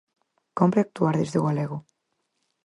Cómpre actuar desde o galego.